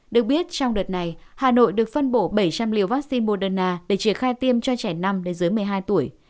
được biết trong đợt này hà nội được phân bổ bảy trăm linh liều vaccine moderna để triển khai tiêm cho trẻ năm đến dưới một mươi hai tuổi